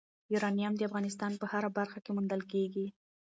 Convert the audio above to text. یورانیم د افغانستان په هره برخه کې موندل کېږي.